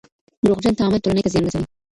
دروغجن تعامل ټولني ته زیان رسوي.